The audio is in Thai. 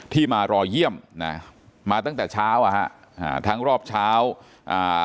ที่มารอเยี่ยมนะมาตั้งแต่เช้าอ่ะฮะอ่าทั้งรอบเช้าอ่า